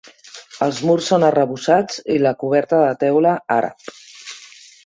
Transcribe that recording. Els murs són arrebossats i la coberta de teula àrab.